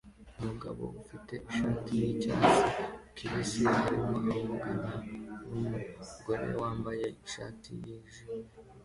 Umugabo ufite ishati yicyatsi kibisi arimo avugana numugore wambaye ishati yijimye